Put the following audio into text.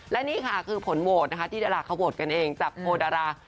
และนี่ค่ะคือผลโหวตนะคะที่ดาราเขาโหวตกันเองจากโพลดารา